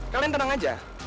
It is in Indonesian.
kalian tenang aja